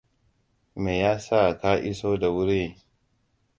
Me ya sa ka iso da wuri?